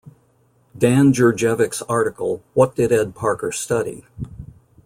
Dan Djurdjevic's article What did Ed Parker Study?